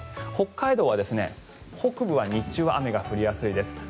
北海道は北部は日中は雨が降りやすいです。